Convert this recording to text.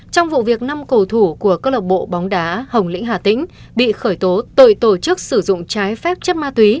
trong vụ việc năm cầu thủ của cơ lộc bộ bóng đá hồng lĩnh hà tĩnh bị khởi tố tội tổ chức sử dụng trái phép chất ma túy